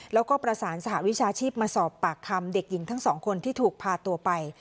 แล้วก็ประสานสหวิชาชีพมาสอบปากคำเด็กหญิงทั้งสองคนที่ถูกพาตัวไป